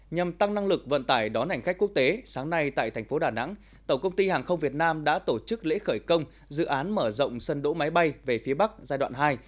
nhằm tăng năng lực vận tải đón hành khách quốc tế sáng nay tại thành phố đà nẵng tổng công ty hàng không việt nam đã tổ chức lễ khởi công dự án mở rộng sân đỗ máy bay về phía bắc giai đoạn hai